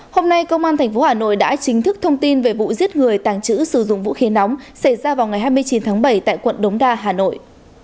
hôm nay công an tp hà nội đã chính thức thông tin về vụ giết người tàng trữ sử dụng vũ khí nóng xảy ra vào ngày hai mươi chín tháng bảy tại quận đống đa hà nội